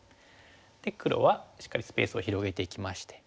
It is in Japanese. で黒はしっかりスペースを広げていきまして。